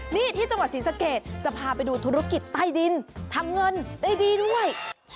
นี่ที่จังหวัดศรีสะเกดจะพาไปดูธุรกิจใต้ดินทำเงินได้ดีด้วย